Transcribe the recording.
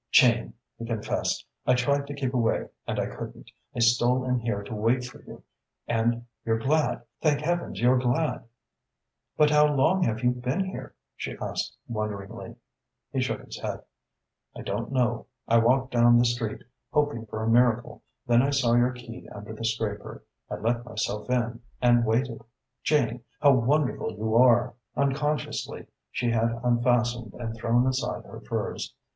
"Jane," he confessed, "I tried to keep away and I couldn't. I stole in here to wait for you. And you're glad thank heavens you're glad!" "But how long have you been here?" she asked wonderingly. He shook his head. "I don't know. I walked down the street, hoping for a miracle. Then I saw your key under the scraper. I let myself in and waited. Jane, how wonderful you are!" Unconsciously she had unfastened and thrown aside her furs.